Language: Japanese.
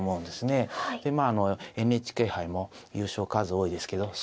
でまあＮＨＫ杯も優勝数多いですけど。